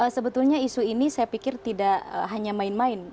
sebetulnya isu ini saya pikir tidak hanya main main